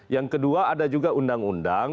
yang kedua ada juga undang undang